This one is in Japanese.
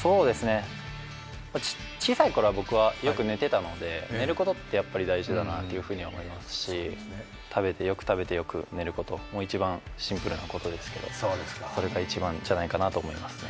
小さい頃は僕はよく寝ていたので寝ることってやっぱり大事だなとは思いますし、よく食べてよく寝ること、一番シンプルなことですけどそれが一番じゃないかなと思いますね。